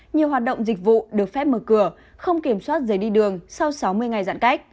nhiều hoạt động dịch vụ được phép mở cửa không kiểm soát giấy đi đường sau sáu mươi ngày giãn cách